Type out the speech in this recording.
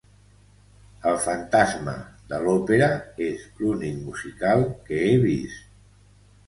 El Fantasma de l'òpera és l'únic musical que he vist.